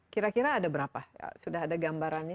kira kira ada berapa sudah ada gambarannya